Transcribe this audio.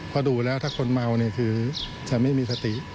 พอดูแล้วถ้าคนเมาเนี่ยคือจะไม่มีสติ